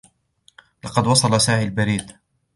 لقد وصل ساعی برید.